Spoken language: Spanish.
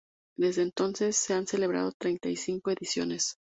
Desde entonces se han celebrado treinta y cinco ediciones.